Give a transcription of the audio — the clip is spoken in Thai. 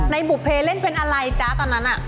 บุภเพเล่นเป็นอะไรจ๊ะตอนนั้น